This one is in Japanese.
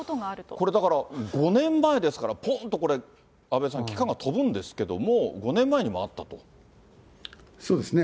これだから、５年前ですから、ぽーんとこれ、阿部さん、期間が飛ぶんですけどそうですね。